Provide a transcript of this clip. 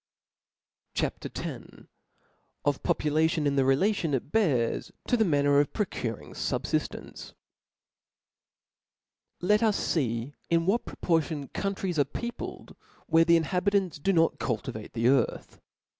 C H A ?• X. Of Population in * the relation it bears to the manner of procuring Subjijience. T E T us fee in what proportion countries are 4—' peopkd, where the inhabitants do not culti vate the earth.